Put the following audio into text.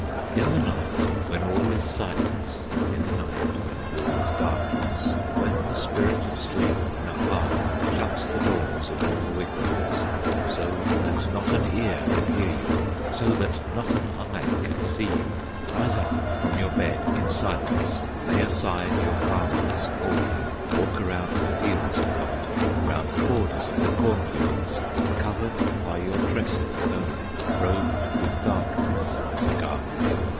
"In the night, when all is silence,' In the night, when all is darkness, When the Spirit of Sleep, Nepahwin, Shuts the doors of all the wigwams, So that not an ear can hear you, So that not an eye can see you, Rise up from your bed in silence, Lay aside your garments wholly, Walk around the fields you planted, Round the borders of the cornfields, Covered by your tresses only, Robed with darkness as a garment.